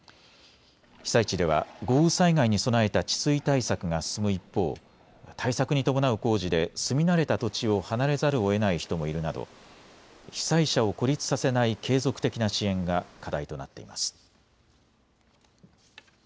被災地では豪雨災害に備えた治水対策が進む一方、対策に伴う工事で住み慣れた土地を離れざるをえない人もいるなど被災者を孤立させない継続的な支援が課題となっています。